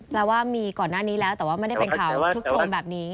แปลว่ามีก่อนหน้านี้แล้วแต่ว่าไม่ได้เป็นข่าวคลุกโครมแบบนี้